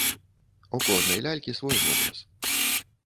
У кожнай лялькі свой вобраз.